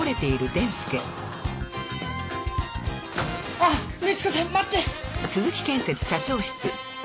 あっみち子さん待って。